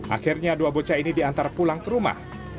akhirnya dua bocah ini diantar pulang ke rumah